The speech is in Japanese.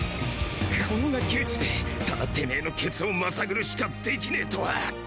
こんな窮地でただてめェのケツをまさぐるしかできねぇとは。